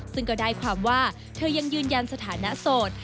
ซึ่งก็ได้ความว่าเธอยังยืนยันสถานะโสด